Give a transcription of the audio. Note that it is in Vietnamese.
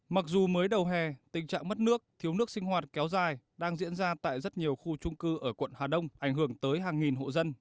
mặc dù mới đầu hè tình trạng mất nước thiếu nước sinh hoạt kéo dài đang diễn ra tại rất nhiều khu trung cư ở quận hà đông ảnh hưởng tới hàng nghìn hộ dân